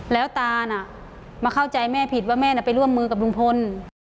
แล้วตาน่ะมาเข้าใจแม่ผิดว่าแม่ไปร่วมมือกับลุงพล